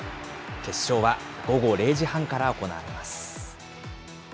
決勝は午後０時半から行われます。